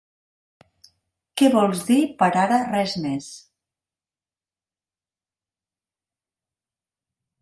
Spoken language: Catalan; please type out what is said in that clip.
Què vols dir per ara res més?